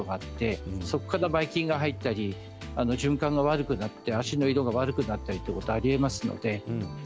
そこから、ばい菌が入ったり循環が悪くなって足の色が悪くなることもありえます。